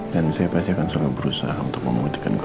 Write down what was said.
dan saya pasti akan selalu berusaha untuk memudikan kalau kamu bersalah